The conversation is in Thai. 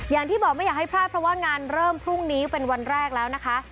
อย่างที่บอกไม่อยากให้พลาดเพราะว่างานเริ่มพรุ่งนี้เป็นวันแรกแล้วนะคะ